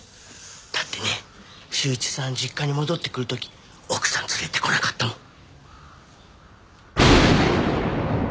だってね柊一さん実家に戻ってくる時奥さん連れてこなかったもん。